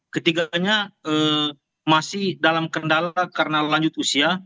ketiganya masih dalam kendala karena lanjut usia